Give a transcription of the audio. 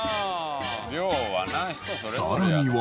さらには。